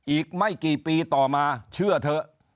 อีกไม่กี่ปีต่อมาเชื่อเถอะ